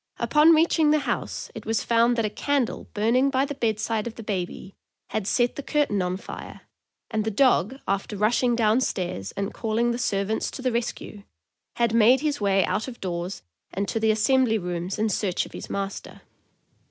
Upon reaching the house, it was found that a candle burning by the bed side of the baby had set the curtain on fire, and the dog, after rushing down stairs and calling the servants to the rescue, had made his way out of doors and to the assembly rooms in search of his master.